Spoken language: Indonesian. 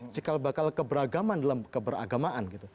cikal bakal keberagaman dalam keberagamaan gitu